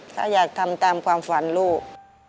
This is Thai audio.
ถ้าอยากทำตามความฝันลูก